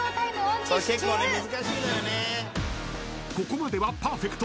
［ここまではパーフェクト］